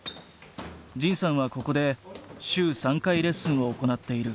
仁さんはここで週３回レッスンを行っている。